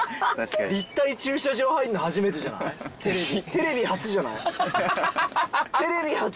テレビ初じゃない？